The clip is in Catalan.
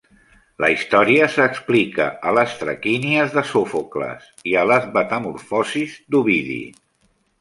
La història s'explica a "Les traquínies" de Sòfocles i a "Les metamorfosis" d'Ovidi.